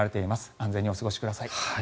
安全にお過ごしください。